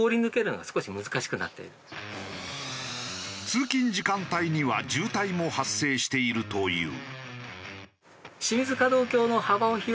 通勤時間帯には渋滞も発生しているという。